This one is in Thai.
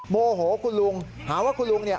โมโหคุณลุงหาว่าคุณลุงเนี่ย